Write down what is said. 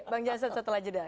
bang jasad setelah jeda